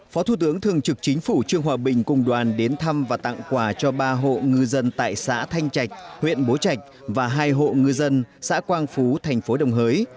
phó thủ tướng thường trực chính phủ trương hòa bình cùng đoàn đến thăm và tặng quà cho ba hộ ngư dân tại xã thanh trạch huyện bố trạch và hai hộ ngư dân xã quang phú thành phố đồng hới